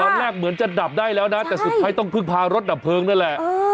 เหมือนจะดับได้แล้วนะแต่สุดท้ายต้องพึ่งพารถดับเพลิงนั่นแหละ